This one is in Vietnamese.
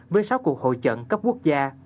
với sáu cuộc hội trận cấp quốc gia